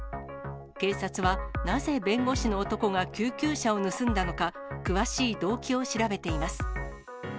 警察はなぜ弁護士の男が救急車を盗んだのか、詳しい動機を調べています。